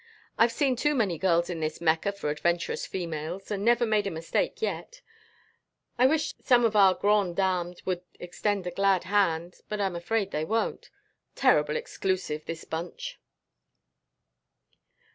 I've seen too many girls in this Mecca for adventurous females and never made a mistake yet. I wish some of our grand dames would extend the glad hand. But I'm afraid they won't. Terrible exclusive, this bunch."